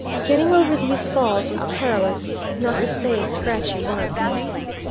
Getting over these falls was perilous, not to say scratchy work.